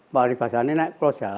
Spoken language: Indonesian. kalau dibasarkan itu akan berhasil